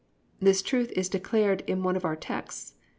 _ This truth is declared in one of our texts.